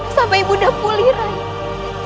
sampai ibu undaku pulih rai